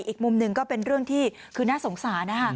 อีกมุมหนึ่งก็เป็นเรื่องที่คือน่าสงสารนะคะ